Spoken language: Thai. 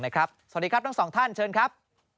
สวัสดีครับทั้งสองท่านเชิญครับ